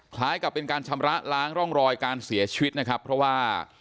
คล้ายกับเป็นการชำระล้างร่องรอยการเสียชีวิตนะครับเพราะว่า